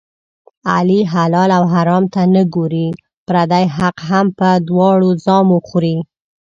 علي حلال او حرام ته نه ګوري، پردی حق هم په دواړو زامو خوري.